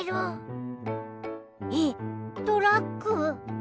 えっ？トラック？